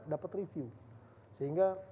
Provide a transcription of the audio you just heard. dapat review sehingga